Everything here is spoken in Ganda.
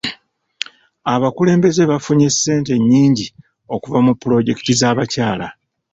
Abakulembeze bafunye ssente nnyingi okuva mu pulojekiti z'abakyala.